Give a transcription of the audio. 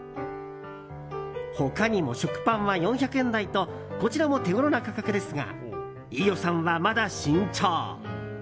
他にも食パンは４００円台とこちらも手ごろな価格ですが飯尾さんは、まだ慎重。